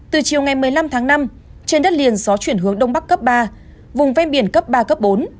từ chiều ngày một mươi năm tháng năm trên đất liền gió chuyển hướng đông bắc cấp ba vùng ven biển cấp ba cấp bốn